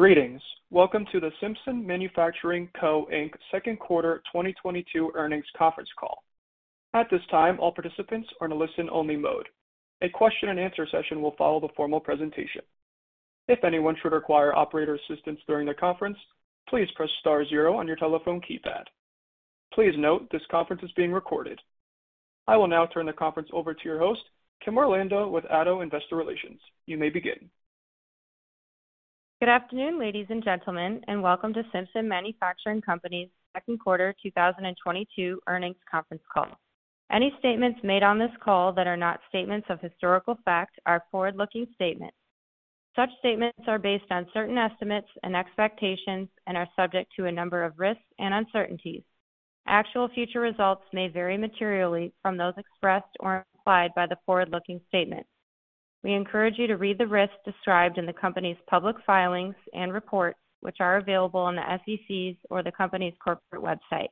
Greetings. Welcome to the Simpson Manufacturing Co Inc Second Quarter 2022 Earnings Conference Call. At this time, all participants are in a listen-only mode. A question-and-answer session will follow the formal presentation. If anyone should require operator assistance during the conference, please press star zero on your telephone keypad. Please note, this conference is being recorded. I will now turn the conference over to your host, Kim Orlando with ADDO Investor Relations. You may begin. Good afternoon, ladies and gentlemen, and welcome to Simpson Manufacturing Company's second quarter 2022 earnings conference call. Any statements made on this call that are not statements of historical fact are forward-looking statements. Such statements are based on certain estimates and expectations and are subject to a number of risks and uncertainties. Actual future results may vary materially from those expressed or implied by the forward-looking statements. We encourage you to read the risks described in the company's public filings and reports, which are available on the SEC's or the company's corporate website.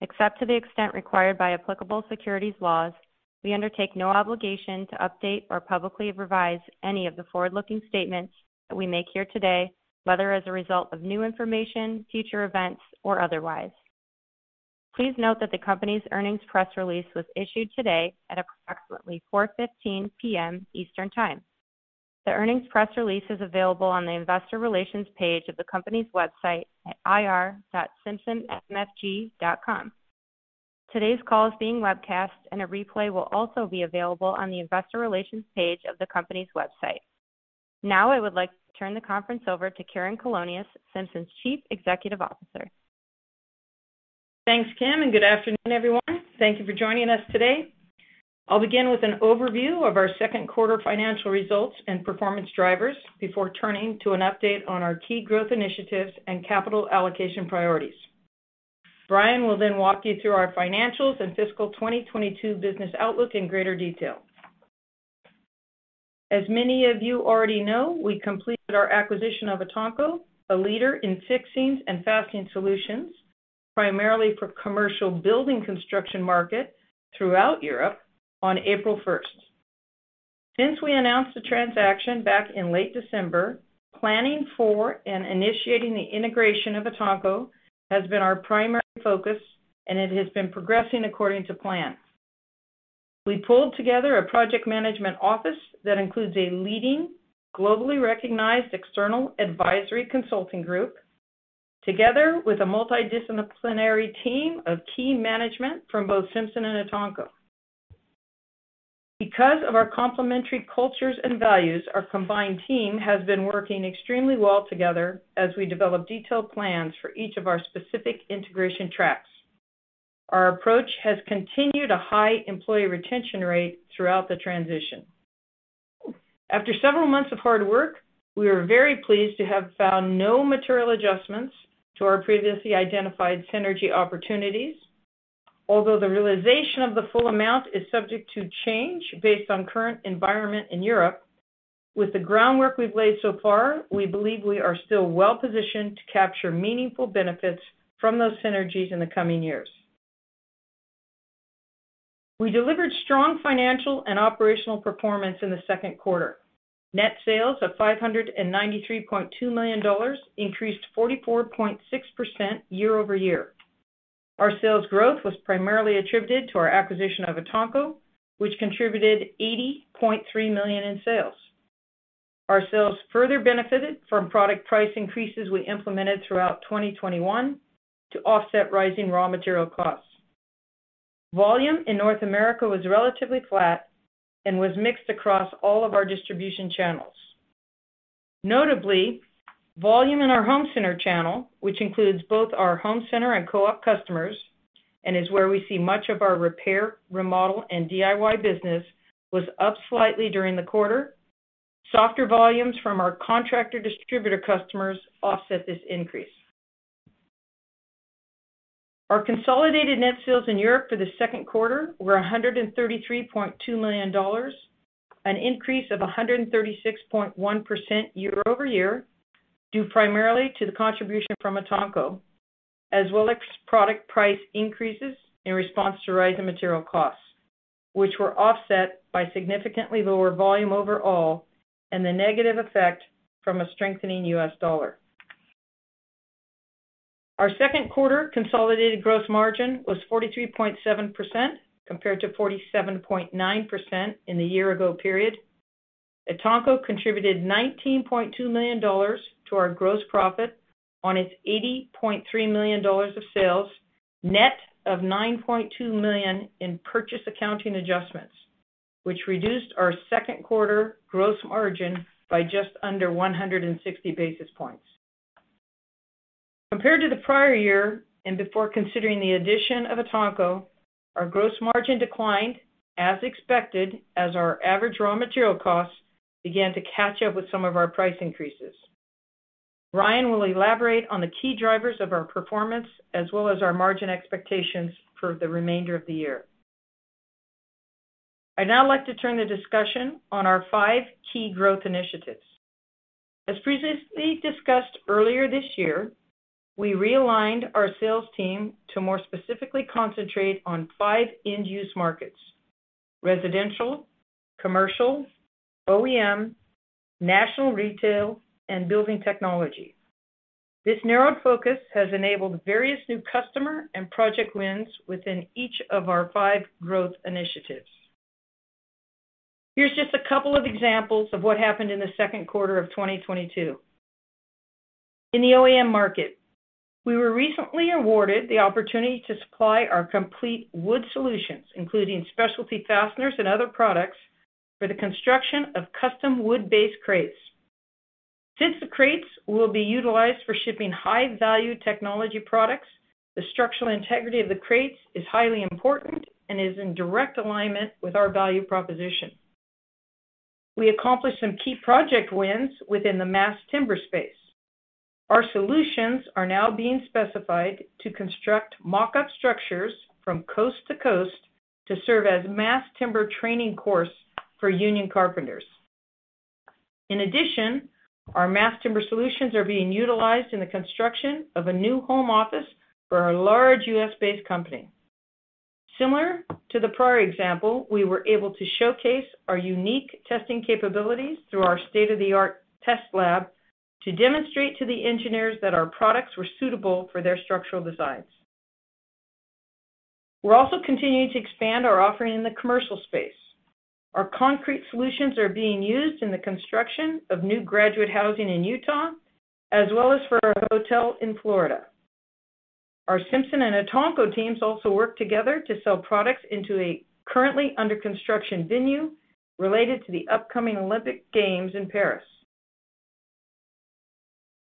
Except to the extent required by applicable securities laws, we undertake no obligation to update or publicly revise any of the forward-looking statements that we make here today, whether as a result of new information, future events or otherwise. Please note that the company's earnings press release was issued today at approximately 4:15 P.M. Eastern Time. The earnings press release is available on the Investor Relations page of the company's website at ir.simpsonmfg.com. Today's call is being webcast, and a replay will also be available on the Investor Relations page of the company's website. Now, I would like to turn the conference over to Karen Colonias, Simpson's Chief Executive Officer. Thanks, Kim, and good afternoon, everyone. Thank you for joining us today. I'll begin with an overview of our second quarter financial results and performance drivers before turning to an update on our key growth initiatives and capital allocation priorities. Brian will then walk you through our financials and fiscal 2022 business outlook in greater detail. As many of you already know, we completed our acquisition of ETANCO, a leader in fixings and fastening solutions, primarily for commercial building construction market throughout Europe on April 1st. Since we announced the transaction back in late December, planning for and initiating the integration of ETANCO has been our primary focus, and it has been progressing according to plan. We pulled together a project management office that includes a leading, globally recognized external advisory consulting group, together with a multidisciplinary team of key management from both Simpson and ETANCO. Because of our complementary cultures and values, our combined team has been working extremely well together as we develop detailed plans for each of our specific integration tracks. Our approach has continued a high employee retention rate throughout the transition. After several months of hard work, we are very pleased to have found no material adjustments to our previously identified synergy opportunities. Although the realization of the full amount is subject to change based on current environment in Europe, with the groundwork we've laid so far, we believe we are still well-positioned to capture meaningful benefits from those synergies in the coming years. We delivered strong financial and operational performance in the second quarter. Net sales of $593.2 million increased 44.6% year-over-year. Our sales growth was primarily attributed to our acquisition of ETANCO, which contributed $80.3 million in sales. Our sales further benefited from product price increases we implemented throughout 2021 to offset rising raw material costs. Volume in North America was relatively flat and was mixed across all of our distribution channels. Notably, volume in our home center channel, which includes both our home center and co-op customers and is where we see much of our repair, remodel, and DIY business, was up slightly during the quarter. Softer volumes from our contractor distributor customers offset this increase. Our consolidated net sales in Europe for the second quarter were $133.2 million, an increase of 136.1% year-over-year, due primarily to the contribution from ETANCO, as well as product price increases in response to rising material costs, which were offset by significantly lower volume overall and the negative effect from a strengthening U.S. dollar. Our second quarter consolidated gross margin was 43.7%, compared to 47.9% in the year ago period. ETANCO contributed $19.2 million to our gross profit on its $80.3 million of sales, net of $9.2 million in purchase accounting adjustments, which reduced our second quarter gross margin by just under 160 basis points. Compared to the prior year, and before considering the addition of ETANCO, our gross margin declined, as expected, as our average raw material costs began to catch up with some of our price increases. Brian will elaborate on the key drivers of our performance as well as our margin expectations for the remainder of the year. I'd now like to turn the discussion on our five key growth initiatives. As previously discussed earlier this year, we realigned our sales team to more specifically concentrate on five end-use markets. Residential, commercial, OEM, national retail and building technology. This narrowed focus has enabled various new customer and project wins within each of our five growth initiatives. Here's just a couple of examples of what happened in the second quarter of 2022. In the OEM market, we were recently awarded the opportunity to supply our complete wood solutions, including specialty fasteners and other products, for the construction of custom wood-based crates. Since the crates will be utilized for shipping high-value technology products, the structural integrity of the crates is highly important and is in direct alignment with our value proposition. We accomplished some key project wins within the mass timber space. Our solutions are now being specified to construct mock-up structures from coast to coast to serve as mass timber training course for union carpenters. In addition, our mass timber solutions are being utilized in the construction of a new home office for a large U.S.-based company. Similar to the prior example, we were able to showcase our unique testing capabilities through our state-of-the-art test lab to demonstrate to the engineers that our products were suitable for their structural designs. We're also continuing to expand our offering in the commercial space. Our concrete solutions are being used in the construction of new graduate housing in Utah, as well as for a hotel in Florida. Our Simpson and ETANCO teams also work together to sell products into a currently under construction venue related to the upcoming Olympic Games in Paris.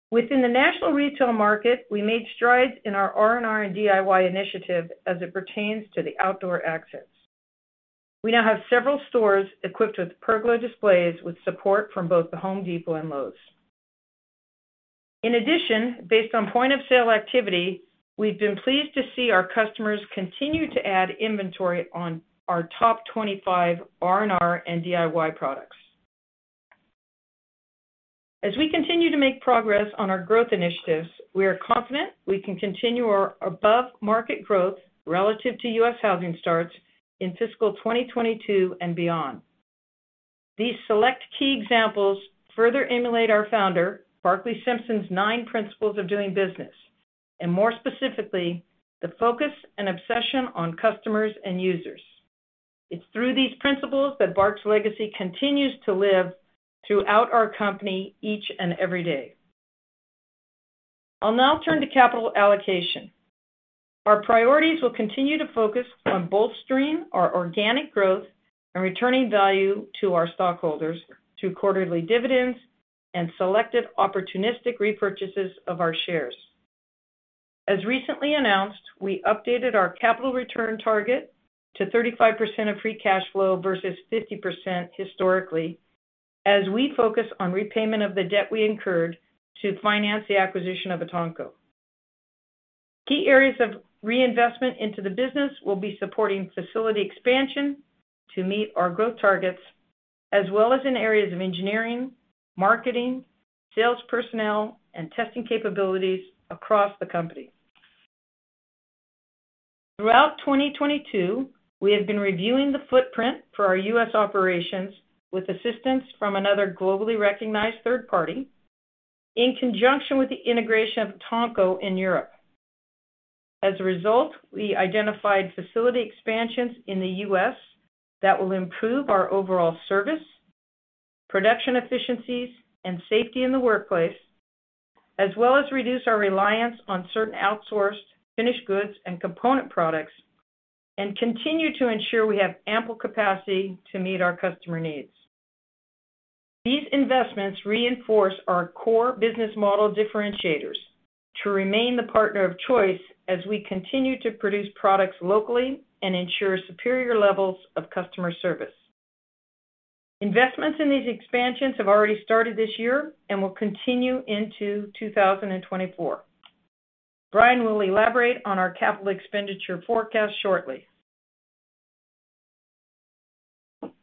Within the national retail market, we made strides in our R&R and DIY initiative as it pertains to the Outdoor Accents. We now have several stores equipped with pergola displays with support from both The Home Depot and Lowe's. In addition, based on point-of-sale activity, we've been pleased to see our customers continue to add inventory on our top 25 R&R and DIY products. As we continue to make progress on our growth initiatives, we are confident we can continue our above-market growth relative to U.S. housing starts in fiscal 2022 and beyond. These select key examples further emulate our founder, Barclay Simpson's, nine principles of doing business, and more specifically, the focus and obsession on customers and users. It's through these principles that Bart's legacy continues to live throughout our company each and every day. I'll now turn to capital allocation. Our priorities will continue to focus on bolstering our organic growth and returning value to our stockholders through quarterly dividends and selective opportunistic repurchases of our shares. As recently announced, we updated our capital return target to 35% of free cash flow versus 50% historically, as we focus on repayment of the debt we incurred to finance the acquisition of ETANCO. Key areas of reinvestment into the business will be supporting facility expansion to meet our growth targets, as well as in areas of engineering, marketing, sales personnel, and testing capabilities across the company. Throughout 2022, we have been reviewing the footprint for our U.S. operations with assistance from another globally recognized third party in conjunction with the integration of ETANCO in Europe. As a result, we identified facility expansions in the U.S. that will improve our overall service, production efficiencies, and safety in the workplace, as well as reduce our reliance on certain outsourced finished goods and component products, and continue to ensure we have ample capacity to meet our customer needs. These investments reinforce our core business model differentiators to remain the partner of choice as we continue to produce products locally and ensure superior levels of customer service. Investments in these expansions have already started this year and will continue into 2024. Brian will elaborate on our capital expenditure forecast shortly.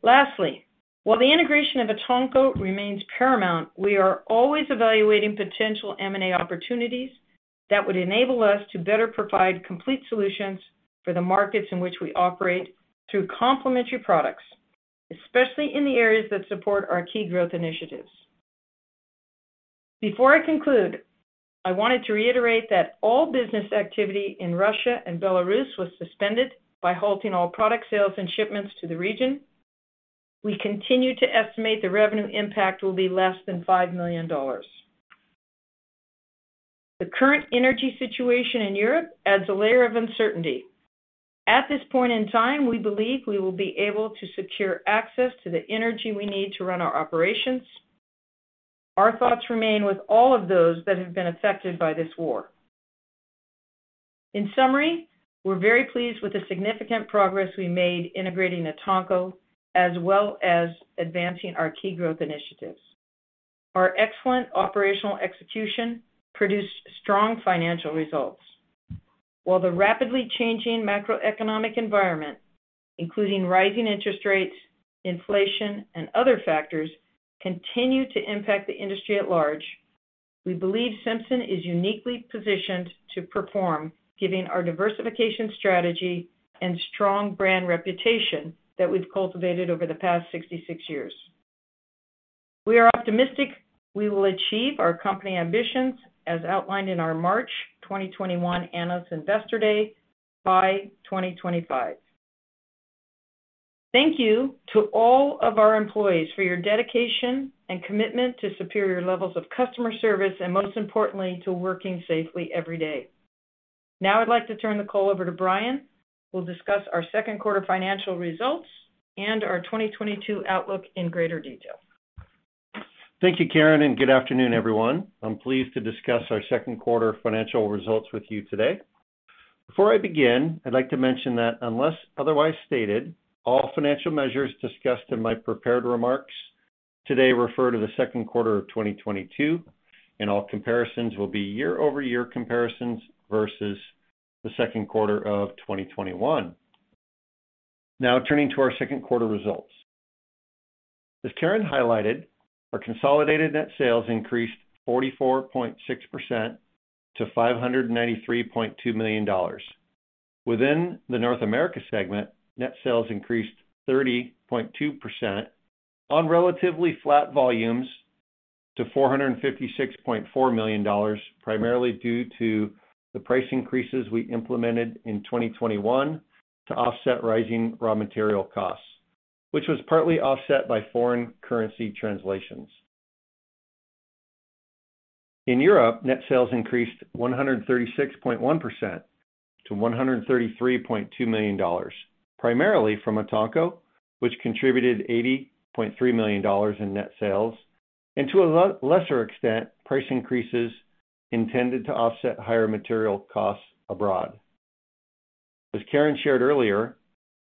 Lastly, while the integration of ETANCO remains paramount, we are always evaluating potential M&A opportunities that would enable us to better provide complete solutions for the markets in which we operate through complementary products, especially in the areas that support our key growth initiatives. Before I conclude, I wanted to reiterate that all business activity in Russia and Belarus was suspended by halting all product sales and shipments to the region. We continue to estimate the revenue impact will be less than $5 million. The current energy situation in Europe adds a layer of uncertainty. At this point in time, we believe we will be able to secure access to the energy we need to run our operations. Our thoughts remain with all of those that have been affected by this war. In summary, we're very pleased with the significant progress we made integrating ETANCO, as well as advancing our key growth initiatives. Our excellent operational execution produced strong financial results. While the rapidly changing macroeconomic environment, including rising interest rates, inflation, and other factors, continue to impact the industry at large. We believe Simpson is uniquely positioned to perform, given our diversification strategy and strong brand reputation that we've cultivated over the past 66 years. We are optimistic we will achieve our company ambitions as outlined in our March 2021 Analyst Investor Day by 2025. Thank you to all of our employees for your dedication and commitment to superior levels of customer service, and most importantly, to working safely every day. Now I'd like to turn the call over to Brian, who will discuss our second quarter financial results and our 2022 outlook in greater detail. Thank you, Karen, and good afternoon, everyone. I'm pleased to discuss our second quarter financial results with you today. Before I begin, I'd like to mention that unless otherwise stated, all financial measures discussed in my prepared remarks today refer to the second quarter of 2022, and all comparisons will be year-over-year comparisons versus the second quarter of 2021. Now turning to our second quarter results. As Karen highlighted, our consolidated net sales increased 44.6% to $593.2 million. Within the North America segment, net sales increased 30.2% on relatively flat volumes to $456.4 million, primarily due to the price increases we implemented in 2021 to offset rising raw material costs, which was partly offset by foreign currency translations. In Europe, net sales increased 136.1% to $133.2 million, primarily from ETANCO, which contributed $80.3 million in net sales, and to a lesser extent, price increases intended to offset higher material costs abroad. As Karen shared earlier,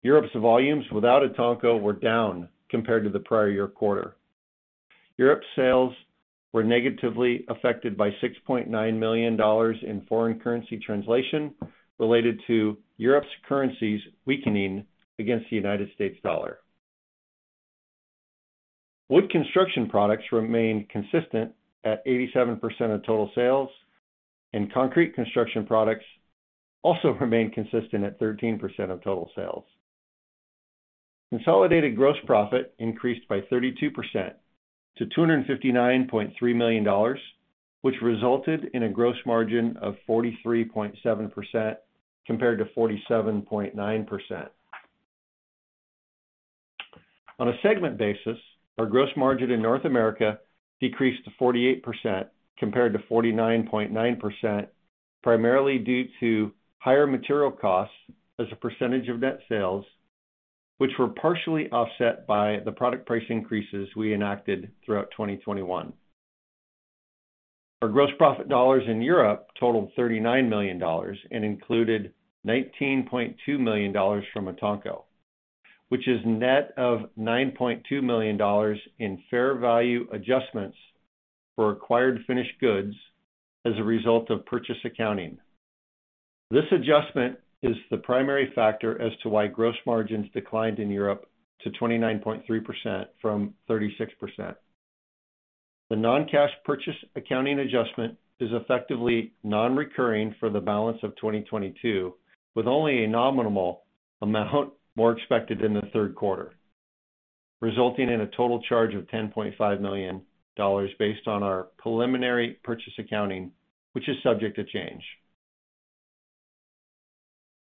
Europe's volumes without ETANCO were down compared to the prior year quarter. Europe's sales were negatively affected by $6.9 million in foreign currency translation related to Europe's currencies weakening against the United States dollar. Wood construction products remained consistent at 87% of total sales, and concrete construction products also remained consistent at 13% of total sales. Consolidated gross profit increased by 32% to $259.3 million, which resulted in a gross margin of 43.7% compared to 47.9%. On a segment basis, our gross margin in North America decreased to 48% compared to 49.9%, primarily due to higher material costs as a percentage of net sales, which were partially offset by the product price increases we enacted throughout 2021. Our gross profit dollars in Europe totaled $39 million and included $19.2 million from ETANCO, which is net of $9.2 million in fair value adjustments for acquired finished goods as a result of purchase accounting. This adjustment is the primary factor as to why gross margins declined in Europe to 29.3% from 36%. The non-cash purchase accounting adjustment is effectively non-recurring for the balance of 2022, with only a nominal amount more expected in the third quarter, resulting in a total charge of $10.5 million based on our preliminary purchase accounting, which is subject to change.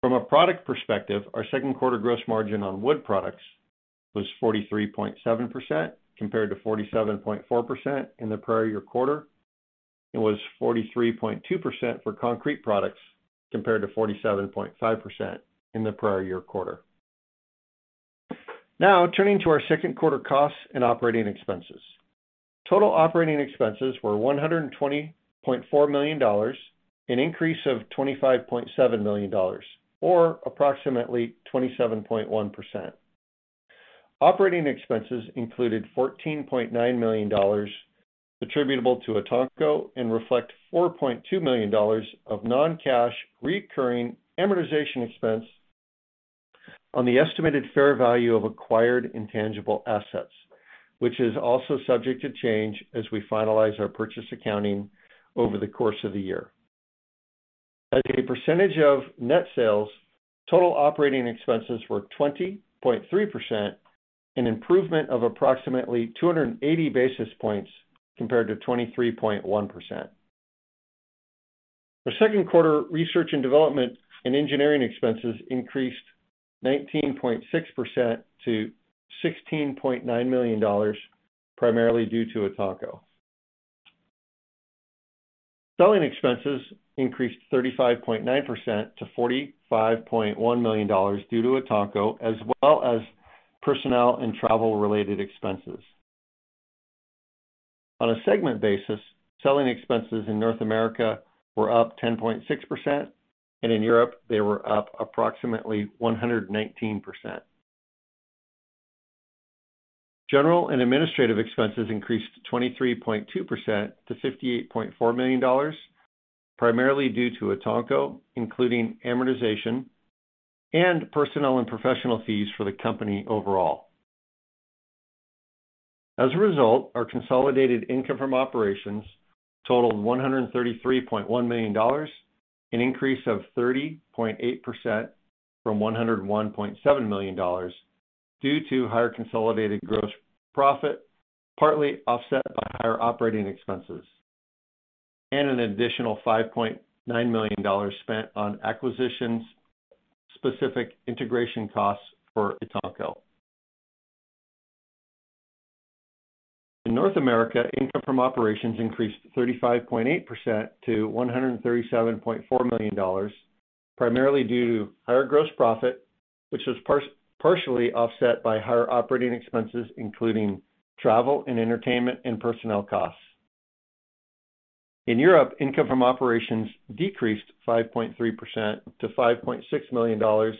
From a product perspective, our second quarter gross margin on wood products was 43.7% compared to 47.4% in the prior year quarter, and was 43.2% for concrete products compared to 47.5% in the prior year quarter. Now, turning to our second quarter costs and operating expenses. Total operating expenses were $120.4 million, an increase of $25.7 million, or approximately 27.1%. Operating expenses included $14.9 million attributable to ETANCO and reflect $4.2 million of non-cash recurring amortization expense on the estimated fair value of acquired intangible assets, which is also subject to change as we finalize our purchase accounting over the course of the year. As a percentage of net sales, total operating expenses were 20.3%, an improvement of approximately 280 basis points compared to 23.1%. The second quarter research and development and engineering expenses increased 19.6% to $16.9 million, primarily due to ETANCO. Selling expenses increased 35.9% to $45.1 million due to ETANCO, as well as personnel and travel related expenses. On a segment basis, selling expenses in North America were up 10.6%, and in Europe they were up approximately 119%. General and administrative expenses increased 23.2% to $58.4 million, primarily due to ETANCO, including amortization and personnel and professional fees for the company overall. As a result, our consolidated income from operations totaled $133.1 million, an increase of 30.8% from $101.7 million due to higher consolidated gross profit, partly offset by higher operating expenses and an additional $5.9 million spent on acquisitions, specific integration costs for ETANCO. In North America, income from operations increased 35.8% to $137.4 million, primarily due to higher gross profit, which was partially offset by higher operating expenses, including travel and entertainment and personnel costs. In Europe, income from operations decreased 5.3% to $5.6 million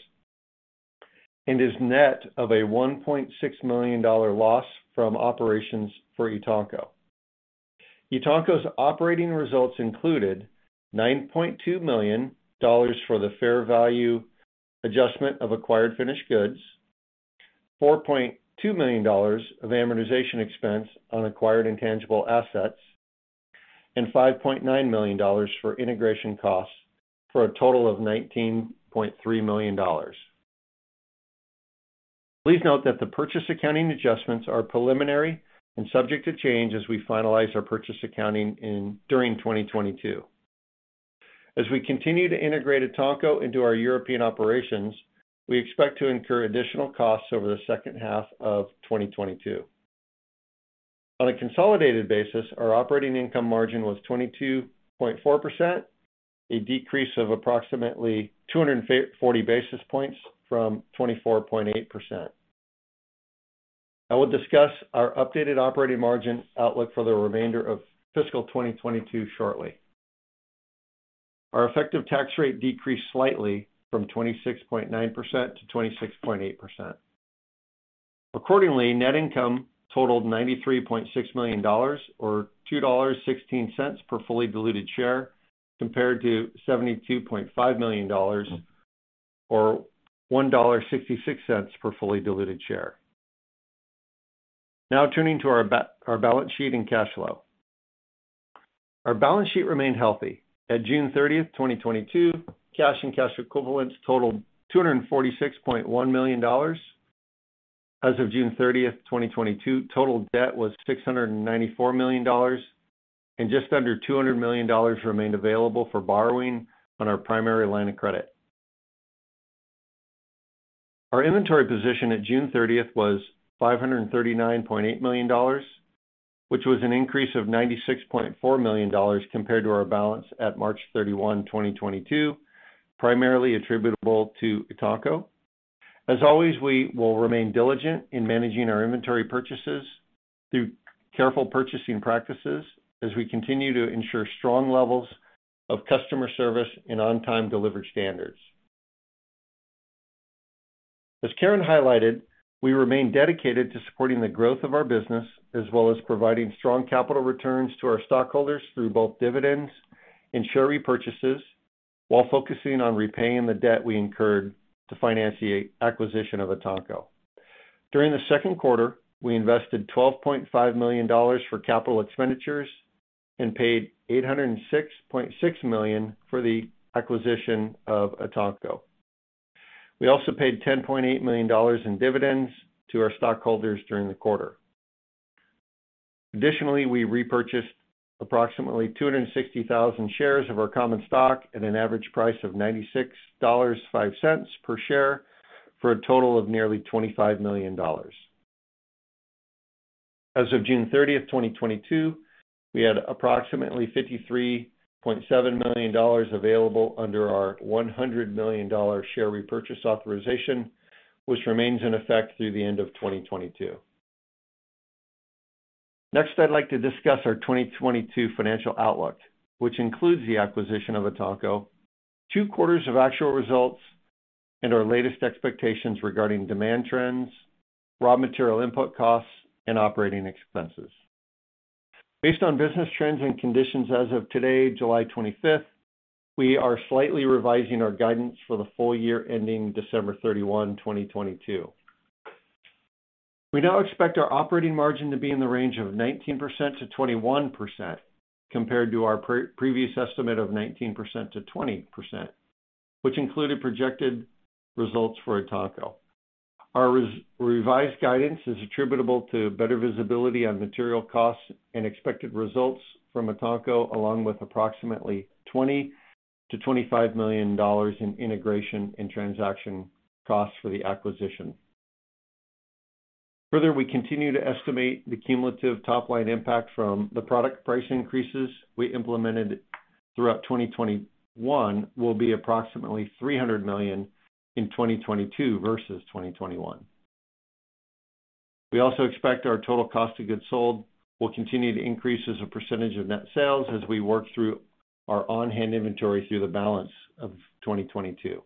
and is net of a $1.6 million loss from operations for ETANCO. ETANCO's operating results included $9.2 million for the fair value adjustment of acquired finished goods, $4.2 million of amortization expense on acquired intangible assets, and $5.9 million for integration costs, for a total of $19.3 million. Please note that the purchase accounting adjustments are preliminary and subject to change as we finalize our purchase accounting during 2022. As we continue to integrate ETANCO into our European operations, we expect to incur additional costs over the second half of 2022. On a consolidated basis, our operating income margin was 22.4%, a decrease of approximately 240 basis points from 24.8%. I will discuss our updated operating margin outlook for the remainder of fiscal 2022 shortly. Our effective tax rate decreased slightly from 26.9%-26.8%. Accordingly, net income totaled $93.6 million or $2.16 per fully diluted share compared to $72.5 million or $1.66 per fully diluted share. Now turning to our balance sheet and cash flow. Our balance sheet remained healthy. At June 30th, 2022, cash and cash equivalents totaled $246.1 million. As of June 30th 2022, total debt was $694 million, and just under $200 million remained available for borrowing on our primary line of credit. Our inventory position at June 30th was $539.8 million, which was an increase of $96.4 million compared to our balance at March 31, 2022, primarily attributable to ETANCO. As always, we will remain diligent in managing our inventory purchases through careful purchasing practices as we continue to ensure strong levels of customer service and on-time delivery standards. As Karen highlighted, we remain dedicated to supporting the growth of our business as well as providing strong capital returns to our stockholders through both dividends and share repurchases while focusing on repaying the debt we incurred to finance the acquisition of ETANCO. During the second quarter, we invested $12.5 million for capital expenditures and paid $806.6 million for the acquisition of ETANCO. We also paid $10.8 million in dividends to our stockholders during the quarter. Additionally, we repurchased approximately 260,000 shares of our common stock at an average price of $96.05 per share for a total of nearly $25 million. As of June 30th, 2022, we had approximately $53.7 million available under our $100 million share repurchase authorization, which remains in effect through the end of 2022. Next, I'd like to discuss our 2022 financial outlook, which includes the acquisition of ETANCO, two quarters of actual results, and our latest expectations regarding demand trends, raw material input costs, and operating expenses. Based on business trends and conditions as of today, July 25th, we are slightly revising our guidance for the full year ending December 31, 2022. We now expect our operating margin to be in the range of 19%-21% compared to our previous estimate of 19%-20%, which included projected results for ETANCO. Our revised guidance is attributable to better visibility on material costs and expected results from ETANCO, along with approximately $20 million-$25 million in integration and transaction costs for the acquisition. Further, we continue to estimate the cumulative top-line impact from the product price increases we implemented throughout 2021 will be approximately $300 million in 2022 versus 2021. We also expect our total cost of goods sold will continue to increase as a percentage of net sales as we work through our on-hand inventory through the balance of 2022.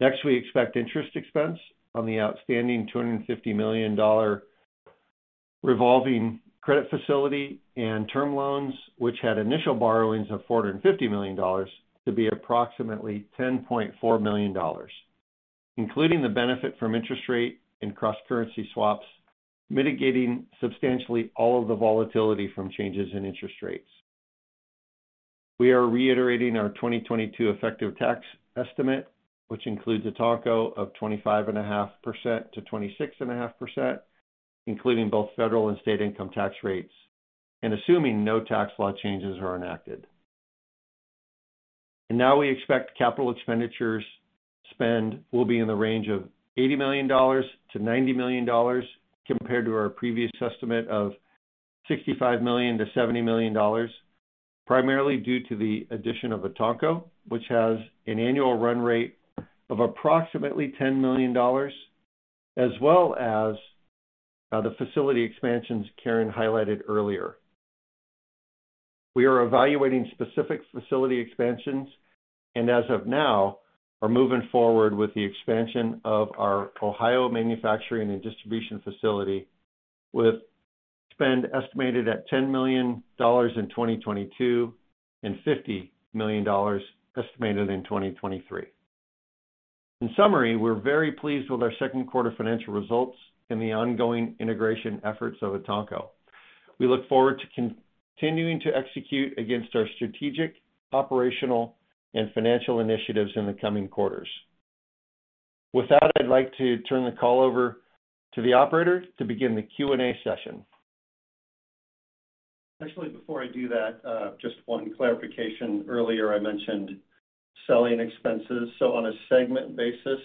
Next, we expect interest expense on the outstanding $250 million revolving credit facility and term loans, which had initial borrowings of $450 million to be approximately $10.4 million, including the benefit from interest rate and cross-currency swaps, mitigating substantially all of the volatility from changes in interest rates. We are reiterating our 2022 effective tax estimate, which includes ETANCO of 25.5%-26.5%, including both federal and state income tax rates, and assuming no tax law changes are enacted. Now we expect capital expenditures spend will be in the range of $80 million-$90 million compared to our previous estimate of $65 million-$70 million, primarily due to the addition of ETANCO, which has an annual run rate of approximately $10 million, as well as the facility expansions Karen highlighted earlier. We are evaluating specific facility expansions and as of now are moving forward with the expansion of our Ohio manufacturing and distribution facility with spend estimated at $10 million in 2022, and $50 million estimated in 2023. In summary, we're very pleased with our second quarter financial results and the ongoing integration efforts of ETANCO. We look forward to continuing to execute against our strategic, operational, and financial initiatives in the coming quarters. With that, I'd like to turn the call over to the operator to begin the Q&A session. Actually, before I do that, just one clarification. Earlier, I mentioned selling expenses. On a segment basis,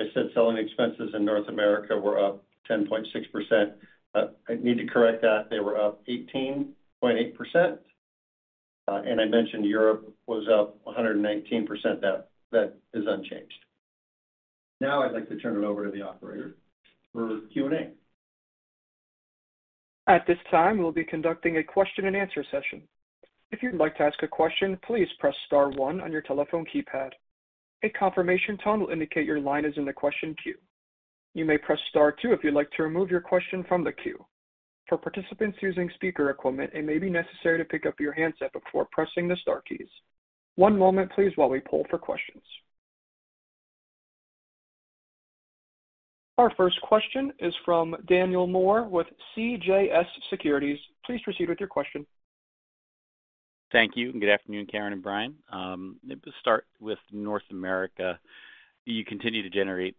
I said selling expenses in North America were up 10.6%. I need to correct that. They were up 18.8%. I mentioned Europe was up 119%. That is unchanged. Now I'd like to turn it over to the operator for Q&A. At this time, we'll be conducting a question and answer session. If you'd like to ask a question, please press star one on your telephone keypad. A confirmation tone will indicate your line is in the question queue. You may press star two if you'd like to remove your question from the queue. For participants using speaker equipment, it may be necessary to pick up your handset before pressing the star keys. One moment, please, while we pull for questions. Our first question is from Daniel Moore with CJS Securities. Please proceed with your question. Thank you. Good afternoon, Karen and Brian. Let me start with North America. You continue to generate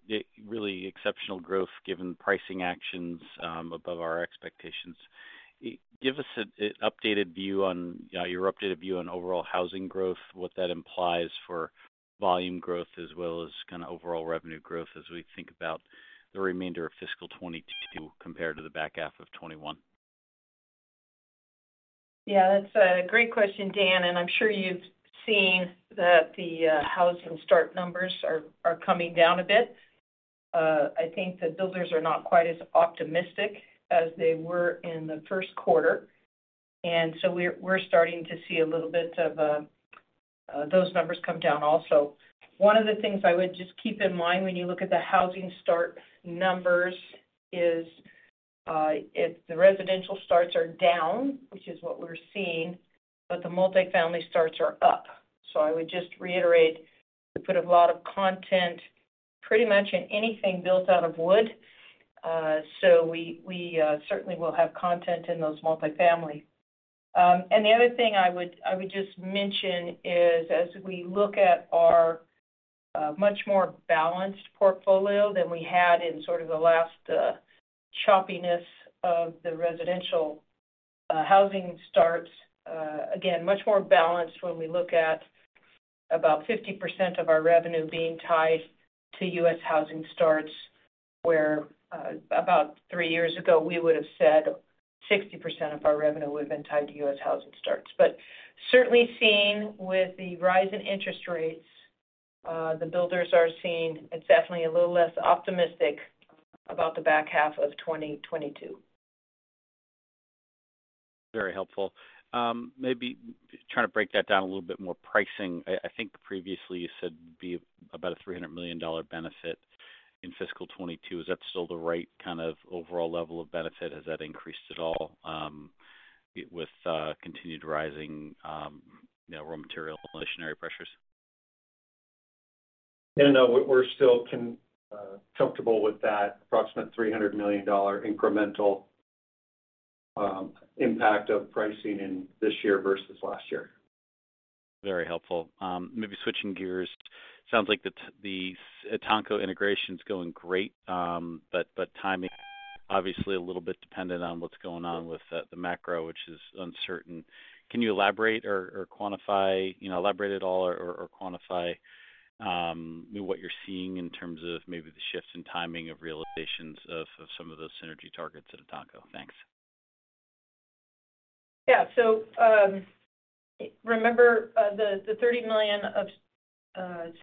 really exceptional growth given pricing actions above our expectations. Give us your updated view on overall housing growth, what that implies for volume growth as well as kind of overall revenue growth as we think about the remainder of fiscal 2022 compared to the back half of 2021. Yeah, that's a great question, Dan, and I'm sure you've seen that the housing start numbers are coming down a bit. I think the builders are not quite as optimistic as they were in the first quarter. We're starting to see a little bit of those numbers come down also. One of the things I would just keep in mind when you look at the housing start numbers is if the residential starts are down, which is what we're seeing, but the multifamily starts are up. I would just reiterate, we put a lot of content pretty much in anything built out of wood. We certainly will have content in those multifamily. The other thing I would just mention is as we look at our much more balanced portfolio than we had in sort of the last choppiness of the residential housing starts, again, much more balanced when we look at about 50% of our revenue being tied to U.S. housing starts, where about three years ago, we would have said 60% of our revenue would have been tied to U.S. housing starts. Certainly seen with the rise in interest rates, the builders are seeing it's definitely a little less optimistic about the back half of 2022. Very helpful. Maybe trying to break that down a little bit more pricing. I think previously you said it would be about a $300 million benefit in fiscal 2022. Is that still the right kind of overall level of benefit? Has that increased at all, with continued rising raw material inflationary pressures? Daniel, we're still comfortable with that approximate $300 million incremental impact of pricing in this year versus last year. Very helpful. Maybe switching gears. Sounds like the ETANCO integration is going great. Timing obviously a little bit dependent on what's going on with the macro, which is uncertain. Can you elaborate or quantify, you know, elaborate at all or quantify what you're seeing in terms of maybe the shifts in timing of realizations of some of those synergy targets at ETANCO? Thanks. Yeah, remember the $30 million of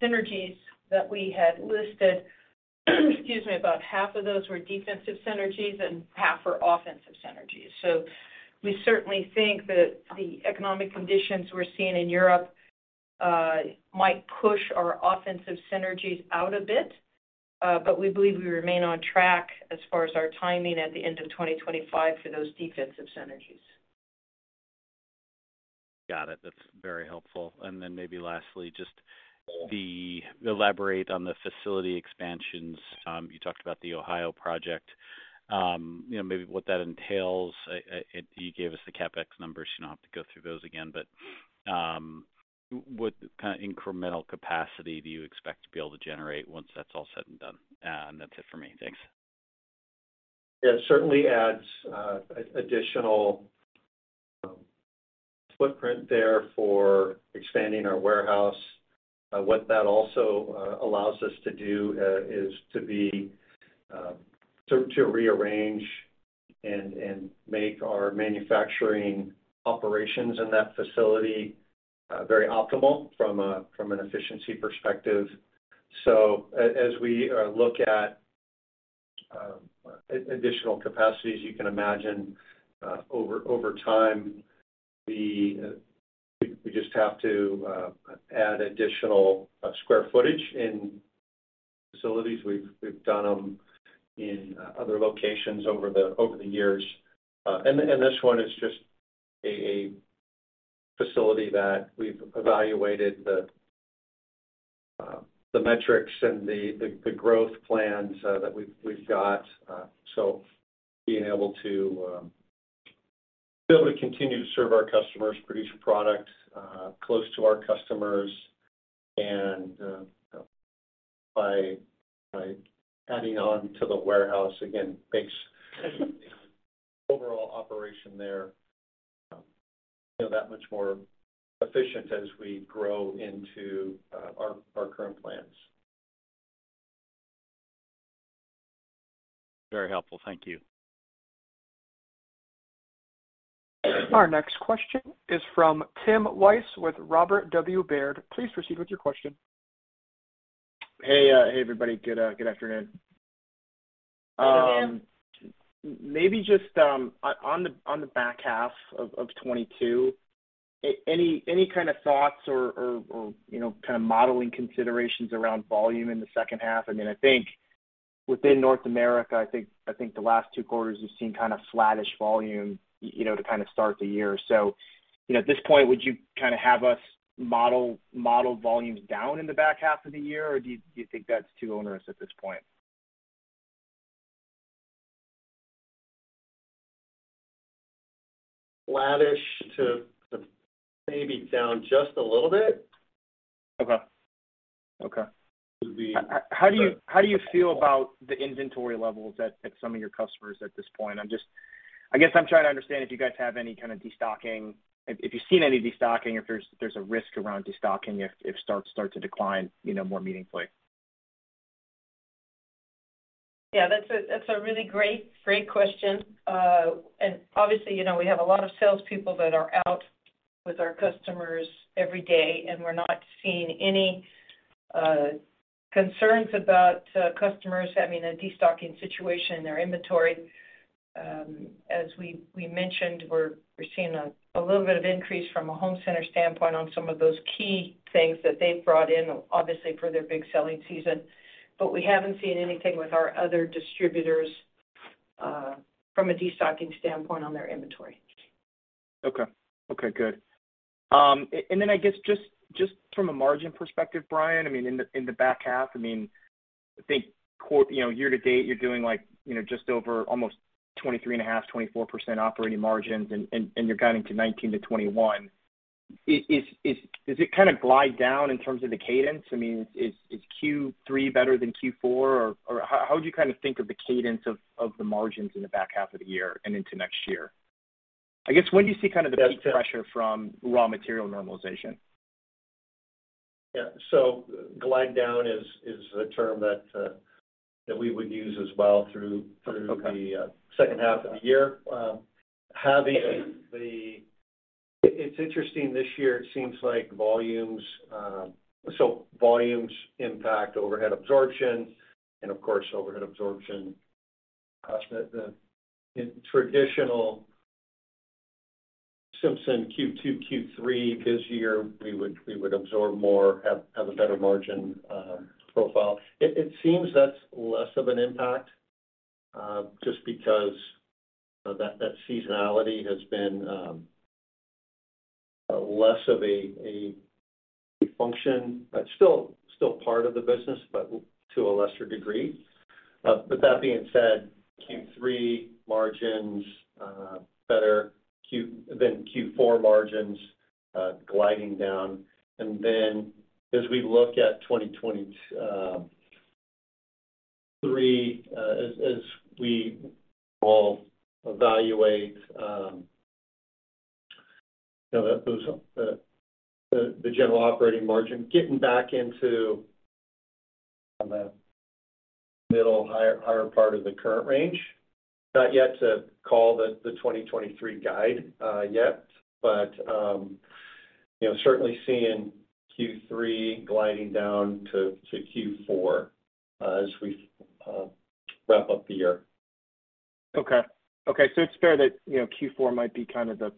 synergies that we had listed. Excuse me, about half of those were defensive synergies and half were offensive synergies. We certainly think that the economic conditions we're seeing in Europe might push our offensive synergies out a bit, but we believe we remain on track as far as our timing at the end of 2025 for those defensive synergies. Got it. That's very helpful. Maybe lastly, just elaborate on the facility expansions. You talked about the Ohio project. You know, maybe what that entails. You gave us the CapEx numbers. You don't have to go through those again, but what kind of incremental capacity do you expect to be able to generate once that's all said and done? That's it for me. Thanks. Yeah, it certainly adds additional footprint there for expanding our warehouse. What that also allows us to do is to rearrange and make our manufacturing operations in that facility very optimal from an efficiency perspective. As we look at additional capacities, you can imagine, over time, we just have to add additional square footage in facilities. We've done them in other locations over the years. This one is just a facility that we've evaluated the metrics and the growth plans that we've got. Being able to continue to serve our customers, produce a product close to our customers, and by adding on to the warehouse, again, makes the overall operation there, you know, that much more efficient as we grow into our current plans. Very helpful. Thank you. Our next question is from Tim Wojs with Robert W. Baird. Please proceed with your question. Hey, everybody. Good afternoon. Good afternoon. Maybe just on the back half of 2022, any kind of thoughts or, you know, kind of modeling considerations around volume in the second half? I mean, I think within North America, the last two quarters, we've seen kind of flattish volume, you know, to kind of start the year. You know, at this point, would you kind of have us model volumes down in the back half of the year, or do you think that's too onerous at this point? Flattish to maybe down just a little bit. Okay. Okay. Would be- How do you feel about the inventory levels at some of your customers at this point? I'm just, I guess, trying to understand if you guys have any kind of destocking. If you've seen any destocking, if there's a risk around destocking if starts to decline, you know, more meaningfully. Yeah. That's a really great question. Obviously, you know, we have a lot of salespeople that are out with our customers every day, and we're not seeing any concerns about customers having a destocking situation in their inventory. As we mentioned, we're seeing a little bit of increase from a home center standpoint on some of those key things that they've brought in, obviously, for their big selling season. We haven't seen anything with our other distributors from a destocking standpoint on their inventory. Okay. Okay, good. Then I guess just from a margin perspective, Brian, I mean, in the back half, I mean, I think year-to-date, you're doing like, you know, just over almost 23.5, 24% operating margins and you're guiding to 19%-21%. Does it kind of glide down in terms of the cadence? I mean, is Q3 better than Q4? Or how would you kind of think of the cadence of the margins in the back half of the year and into next year? I guess when do you see kind of the peak pressure from raw material normalization? Yeah. Glide down is a term that we would use as well through. Okay. The second half of the year. It's interesting this year. It seems like volumes impact overhead absorption, and of course, overhead absorption costs. The traditional Simpson Q2, Q3 this year, we would absorb more, have a better margin profile. It seems that's less of an impact, just because that seasonality has been less of a function. It's still part of the business, but to a lesser degree. That being said, Q3 margins better than Q4 margins, gliding down. Then as we look at 2023, as we all evaluate, you know, the general operating margin, getting back into the middle, higher part of the current range. Not yet to call the 2023 guide yet, but you know, certainly seeing Q3 gliding down to Q4 as we wrap up the year. Okay. It's fair that, you know, Q4 might be kind of the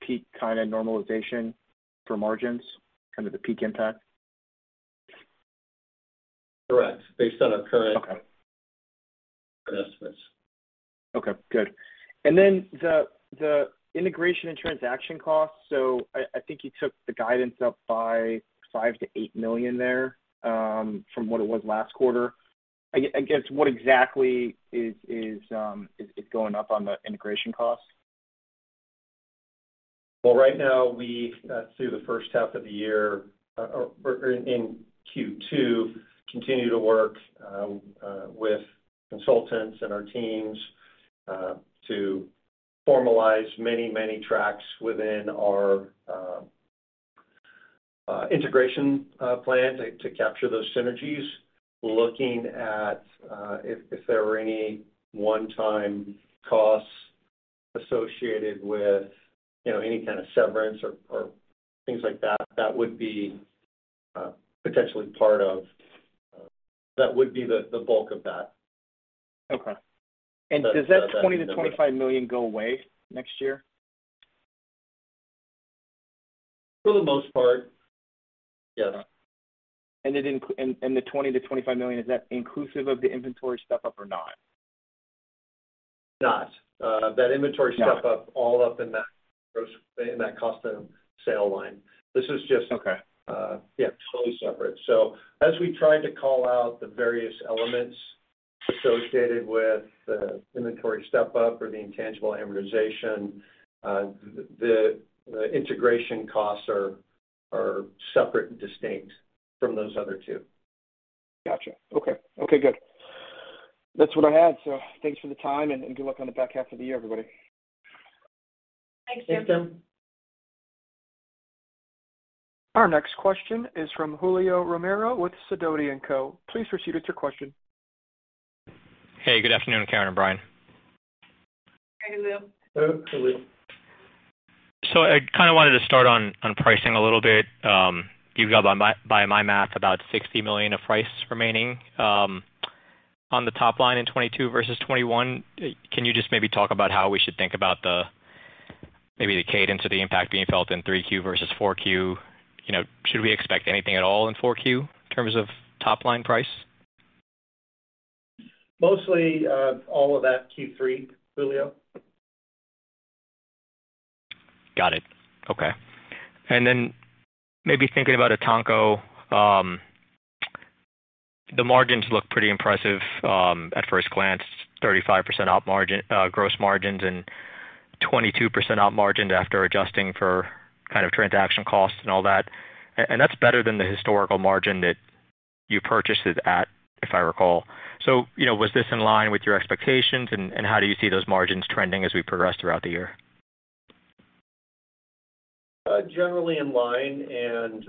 peak kind of normalization for margins, kind of the peak impact? Correct. Based on our current. Okay. Estimates. Okay, good. The integration and transaction costs. I think you took the guidance up by $5 million-$8 million there, from what it was last quarter. I guess, what exactly is going up on the integration costs? Well, right now we through the first half of the year or in Q2 continue to work with consultants and our teams to formalize many, many tracks within our integration plan to capture those synergies. Looking at if there were any one-time costs associated with, you know, any kind of severance or things like that would be potentially part of that. That would be the bulk of that. Okay. Does that $20 million-$25 million go away next year? For the most part, yeah. The $20 million-$25 million, is that inclusive of the inventory step-up or not? Not that inventory. Got it. Step-up all up in that cost of sales line. This is just. Okay. Yeah, totally separate. As we try to call out the various elements associated with the inventory step-up or the intangible amortization, the integration costs are separate and distinct from those other two. Gotcha. Okay, good. That's what I had. Thanks for the time, and good luck on the back half of the year, everybody. Thanks, Tim. Thanks, Tim. Our next question is from Julio Romero with Sidoti & Co. Please proceed with your question. Hey, good afternoon, Karen and Brian. Hey, Julio. Hey, Julio. I kind of wanted to start on pricing a little bit. You've got by my math about $60 million of price remaining on the top line in 2022 versus 2021. Can you just maybe talk about how we should think about the cadence of the impact being felt in 3Q versus 4Q? You know, should we expect anything at all in 4Q in terms of top line price? Mostly, all of that Q3, Julio. Got it. Okay. Maybe thinking about ETANCO, the margins look pretty impressive, at first glance, 35% gross margins and 22% op margin after adjusting for kind of transaction costs and all that. That's better than the historical margin that you purchased it at, if I recall. You know, was this in line with your expectations and how do you see those margins trending as we progress throughout the year? Generally in line, and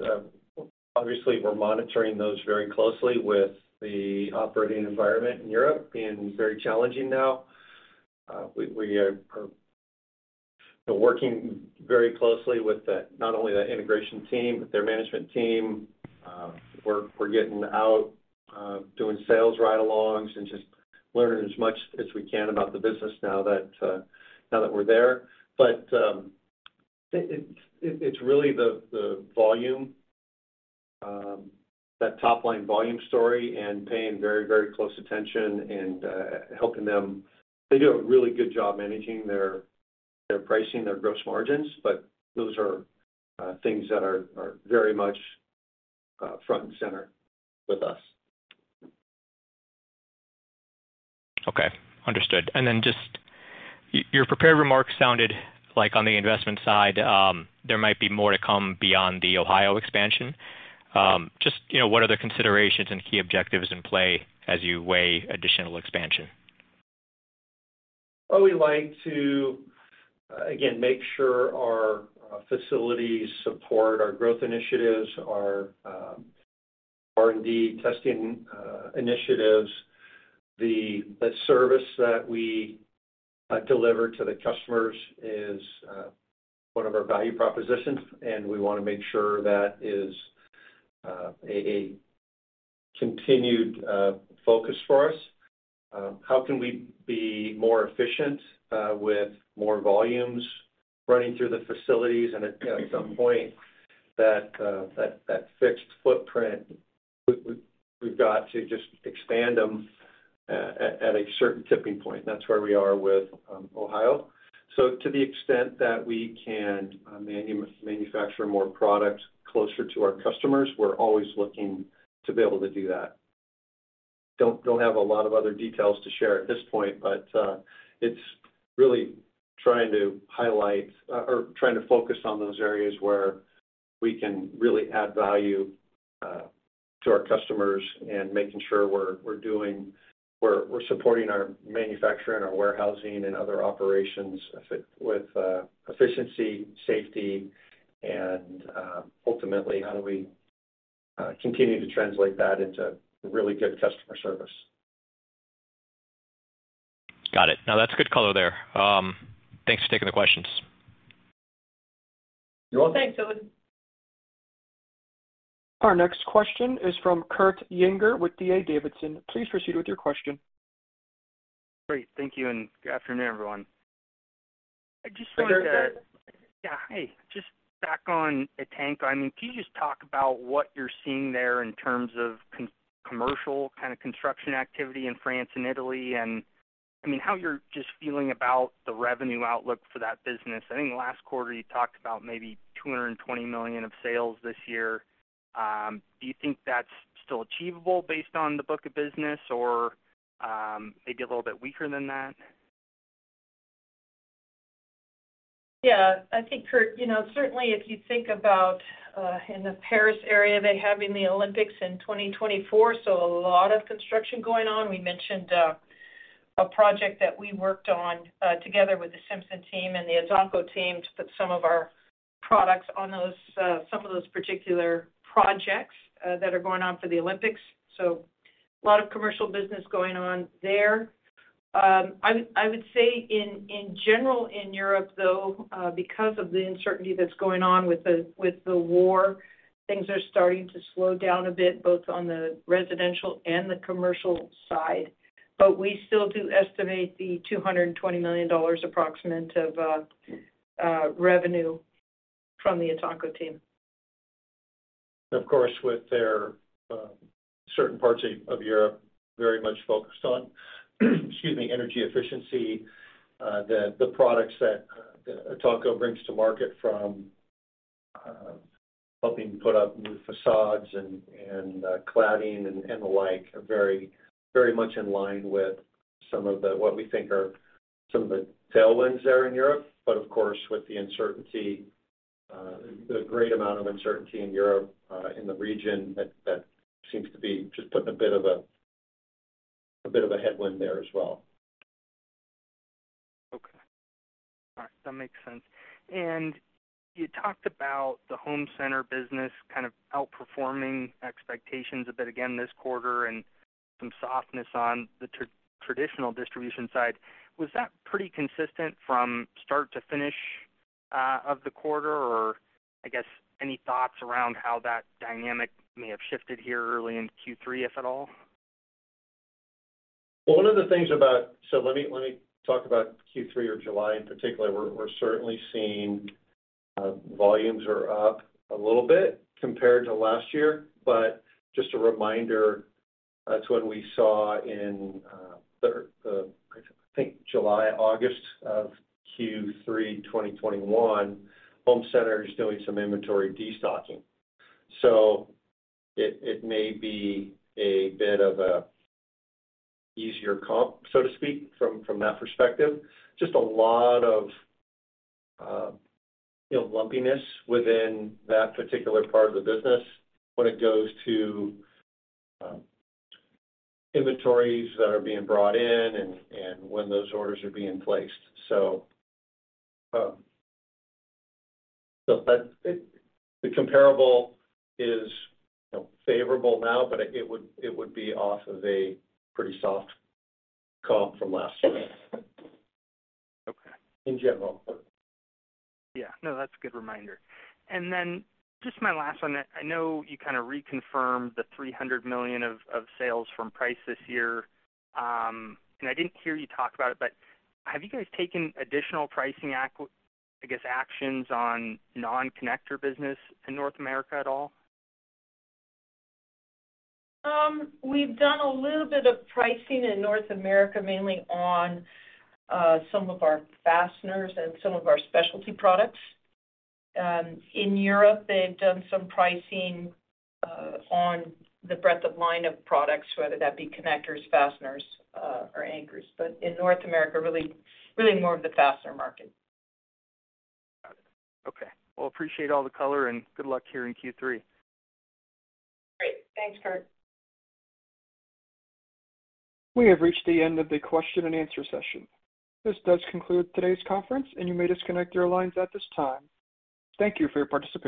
obviously we're monitoring those very closely with the operating environment in Europe being very challenging now. We are working very closely with not only the integration team, but their management team. We're getting out doing sales ride-alongs and just learning as much as we can about the business now that we're there. It's really the volume that top line volume story and paying very, very close attention and helping them. They do a really good job managing their pricing, their gross margins, but those are things that are very much front and center with us. Okay. Understood. Just your prepared remarks sounded like on the investment side, there might be more to come beyond the Ohio expansion. Just, you know, what other considerations and key objectives in play as you weigh additional expansion? Well, we like to, again, make sure our facilities support our growth initiatives, our R&D testing initiatives. The service that we deliver to the customers is one of our value propositions, and we wanna make sure that is a continued focus for us. How can we be more efficient with more volumes running through the facilities? At you know, some point that fixed footprint, we've got to just expand them at a certain tipping point. That's where we are with Ohio. To the extent that we can manufacture more product closer to our customers, we're always looking to be able to do that. Don't have a lot of other details to share at this point, but it's really trying to highlight or trying to focus on those areas where we can really add value to our customers and making sure we're supporting our manufacturing, our warehousing and other operations with efficiency, safety, and ultimately, how do we continue to translate that into really good customer service. Got it. No, that's good color there. Thanks for taking the questions. You're welcome. Thanks, Julio. Our next question is from Kurt Yinger with D.A. Davidson. Please proceed with your question. Great. Thank you, and good afternoon, everyone. I just wanted to. Hi, Kurt. Yeah. Hey, just back on ETANCO. I mean, can you just talk about what you're seeing there in terms of non-commercial kinda construction activity in France and Italy, and I mean, how you're just feeling about the revenue outlook for that business. I think last quarter you talked about maybe $220 million of sales this year. Do you think that's still achievable based on the book of business or, maybe a little bit weaker than that? Yeah. I think, Kurt, you know, certainly if you think about in the Paris area, they're having the Olympics in 2024, a lot of construction going on. We mentioned a project that we worked on together with the Simpson team and the ETANCO team to put some of our products on those some of those particular projects that are going on for the Olympics. A lot of commercial business going on there. I would say in general in Europe, though, because of the uncertainty that's going on with the war, things are starting to slow down a bit, both on the residential and the commercial side. We still do estimate the approximately $220 million of revenue from the ETANCO team. Of course, with their certain parts of Europe very much focused on, excuse me, energy efficiency, the products that ETANCO brings to market from helping put up new facades and cladding and the like are very much in line with some of what we think are some of the tailwinds there in Europe. Of course, with the uncertainty, the great amount of uncertainty in Europe in the region, that seems to be just putting a bit of a headwind there as well. Okay. All right. That makes sense. You talked about the home center business kind of outperforming expectations a bit again this quarter and some softness on the traditional distribution side. Was that pretty consistent from start to finish of the quarter? Or I guess any thoughts around how that dynamic may have shifted here early in Q3, if at all? Let me talk about Q3 or July in particular. We're certainly seeing volumes are up a little bit compared to last year. But just a reminder, that's when we saw in, I think, July, August of Q3 2021, home centers doing some inventory destocking. It may be a bit of an easier comp, so to speak, from that perspective. Just a lot of, you know, lumpiness within that particular part of the business when it goes to inventories that are being brought in and when those orders are being placed. The comparable is, you know, favorable now, but it would be off of a pretty soft comp from last year. Okay. In general. Yeah. No, that's a good reminder. Then just my last one. I know you kinda reconfirmed the $300 million of sales from price this year. I didn't hear you talk about it, but have you guys taken additional pricing actions on non-connector business in North America at all? We've done a little bit of pricing in North America, mainly on some of our fasteners and some of our specialty products. In Europe, they've done some pricing on the breadth of line of products, whether that be connectors, fasteners, or anchors. In North America, really more of the fastener market. Got it. Okay. Well, appreciate all the color and good luck here in Q3. Great. Thanks, Kurt. We have reached the end of the question and answer session. This does conclude today's conference, and you may disconnect your lines at this time. Thank you for your participation.